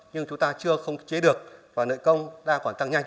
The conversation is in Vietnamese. nhưng chúng ta chưa khống chế được và nợ công đang còn tăng nhanh